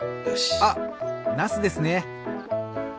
あっなすですね。